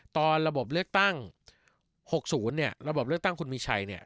ตอนระบบเลือกตั้ง๖๐เนี่ยระบบเลือกตั้งคุณมีชัยเนี่ย